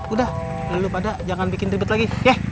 udah lalu pada jangan bikin ribet lagi yeh